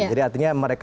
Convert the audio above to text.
jadi artinya mereka